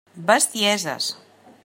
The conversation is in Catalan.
Bestieses!